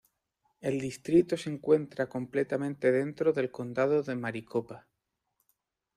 El distrito se encuentra completamente dentro del condado de Maricopa.